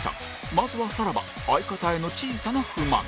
まずはさらば相方への小さな不満